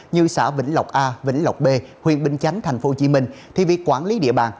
như xã vĩnh lộc a vĩnh lộc b huyện bình chánh tp hcm thì việc quản lý địa bàn